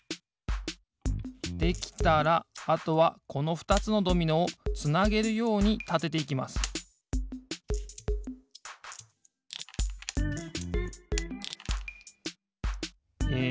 できたらあとはこのふたつのドミノをつなげるようにたてていきますえ